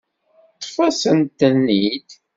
Ṭṭef-asent-ten-id.